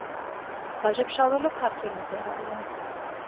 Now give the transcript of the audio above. ვაჟა-ფშაველა ქართველი მწერალია